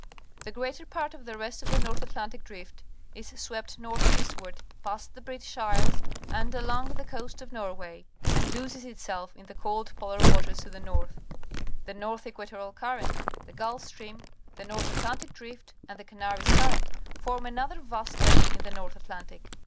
The greater part of the rest of the Nor th Atlantic Drift is swept north eastward past the British Isle s and a long thp pnnst, _of ..Norway and loses itself in the cold polar waters to the north. The North Equatorial Current, the Gulf Stream, the North Atlantic Drift, and the Canaries Current form another vast eddy in_ the North Atlantic.